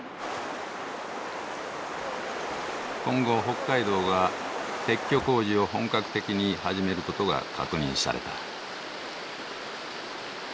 今後北海道が撤去工事を本格的に始めることが確認された。